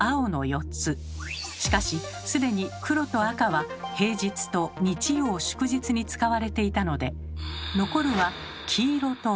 しかし既に黒と赤は平日と日曜・祝日に使われていたので残るは黄色と青。